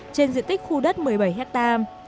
trên diện tích khu đất một mươi bảy hectare